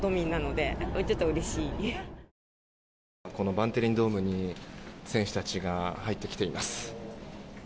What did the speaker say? バンデリンドームに選手たちが入ってきています。